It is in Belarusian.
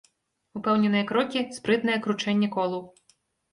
Упэўненыя крокі, спрытнае кручэнне колаў.